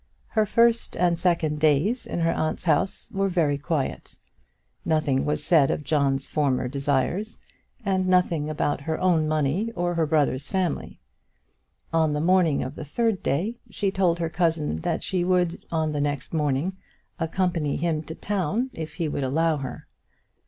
Her first and second days in her aunt's house were very quiet. Nothing was said of John's former desires, and nothing about her own money or her brother's family. On the morning of the third day she told her cousin that she would, on the next morning, accompany him to town if he would allow her.